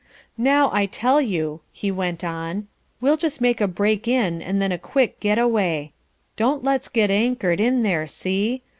"Now, I tell you," he went on. "We'll just make a break in and then a quick get away. Don't let's get anchored in there, see?